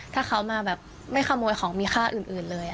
ถ้าเขามาแบบไม่ขโมยของมีค่าอื่นเลย